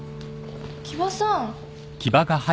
木場さん。